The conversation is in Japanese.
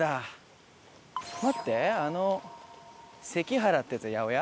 待ってあの「せきはら」ってやつは八百屋？